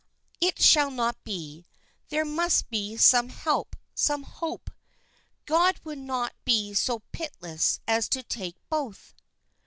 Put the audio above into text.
"It shall not be! There must be some help, some hope. God would not be so pitiless as to take both."